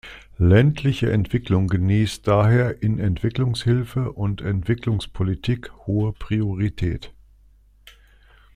Ländliche Entwicklung genießt daher in Entwicklungshilfe und Entwicklungspolitik hohe Priorität.